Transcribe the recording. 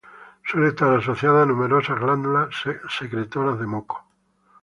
Suele estar asociada a numerosas glándulas secretoras de moco.